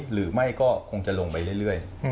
หรือไม่ก็คงจะลงไปเรื่อย